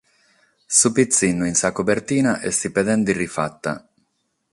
Su pitzinnu in sa cobertina est pedende rifata.